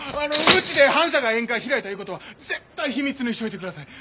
うちで反社が宴会開いたいう事は絶対秘密にしといてください。